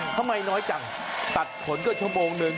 ทำไมน้อยจังตัดผลก็ชั่วโมงนึง